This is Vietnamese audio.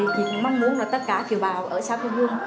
chị mong muốn là tất cả kỳ bào ở xã phong vương